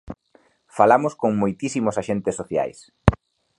Falamos con moitísimos axentes sociais.